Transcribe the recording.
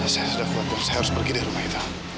saya sudah keluar saya harus pergi dari rumah itu